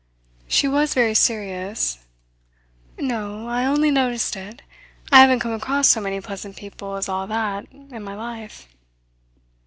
She was very serious. "No. I only noticed it. I haven't come across so many pleasant people as all that, in my life."